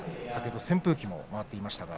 扇風機も回っていました。